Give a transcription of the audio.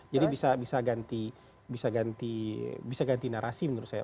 jadi bisa ganti narasi menurut saya